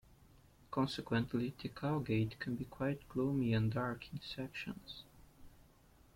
Consequently, the Cowgate can be quite gloomy and dark in sections.